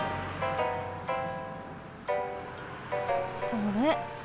あれ？